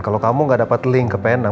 kalau kamu gak dapat link ke pen